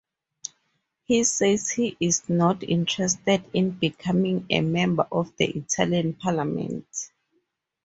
He says he is not interested in becoming a member of the Italian Parliament.